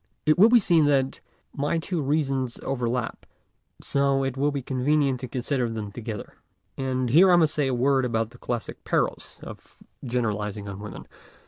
It will be seen that my two reasons over lap, so it will be convenient to consider them together. And here I must say a word about the classic perils of generalizing on women.